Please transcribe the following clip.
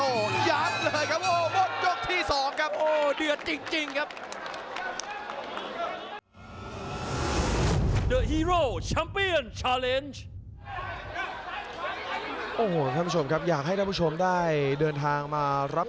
โอ้๒๒๔อยากให้ท่านผู้ชมท่านผู้ชมได้เดินทางมารับ